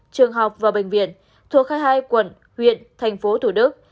trường học và bệnh viện thuộc hai mươi hai quận huyện thành phố thủ đức